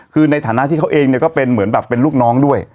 คือในฐานะที่เขาเองเนี่ยก็เป็นเหมือนแบบเป็นลูกน้องด้วย